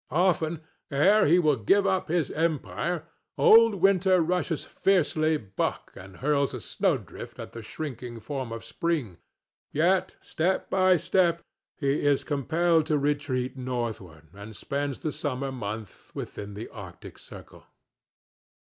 Often ere he will give up his empire old Winter rushes fiercely buck and hurls a snowdrift at the shrinking form of Spring, yet step by step he is compelled to retreat northward, and spends the summer month within the Arctic circle.